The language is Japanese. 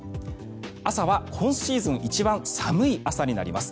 朝は今シーズン一番寒い朝になります。